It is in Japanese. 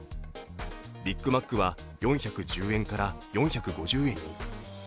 ビッグマックは４１０円から４５０円に。